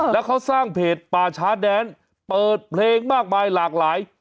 แล้วเขาสร้างเพจป่าช้าแดนเปิดเพลงมากมายหลากหลาย